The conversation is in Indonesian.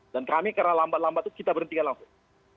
dan kami karena lambat lambat itu kita berhentikan langsung